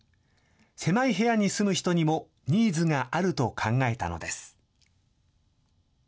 狭い部屋に住む人にもニーズがあると考えたのです。